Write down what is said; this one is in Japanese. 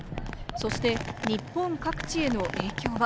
そして日本各地への影響は？